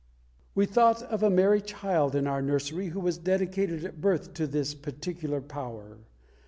We thought of a merry child in our nursery who was dedicated at birth to this particular Power.